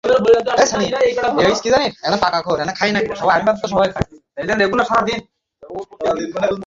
তবে, এগুলোর ওপর নির্ভর না থেকে আমি একে একে তিনটা মাস্টার্স ডিগ্রী নেই।